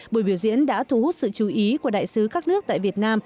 buổi biểu diễn đã thu hút sự chú ý của đại sứ các nước tại việt nam